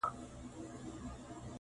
هغه ملا جان دغه ممبر خوړلی دی